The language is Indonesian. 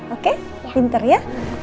oke pinter ya